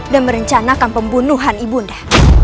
dan merencanakan pembunuhan ibunda